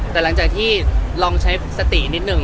แต่หลังจากที่ลองใช้สตินิดหนึ่ง